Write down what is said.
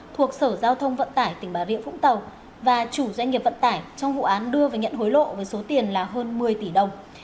thuộc sở giao thông vận tải tỉnh bà rịa vũng tàu và chủ doanh nghiệp vận tải trong vụ án đưa và nhận hối lộ với số tiền là hơn một mươi tỷ đồng